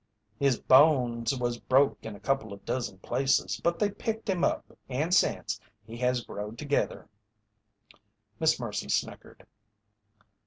"His bones was broke in a couple of dozen places, but they picked him up, and sence, he has growed together." Miss Mercy snickered.